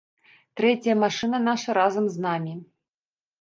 Трэцяя машына наша разам з намі.